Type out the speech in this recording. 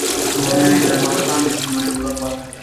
منی د افغانستان د اجتماعي جوړښت برخه ده.